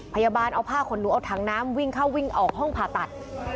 พยาบาลเอาผ้าขนหนูเอาถังน้ำวิ่งเข้าวิ่งออกห้องผ่าตัด